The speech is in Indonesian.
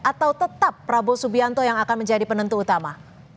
atau tetap prabowo subianto yang akan menjadi penentu utama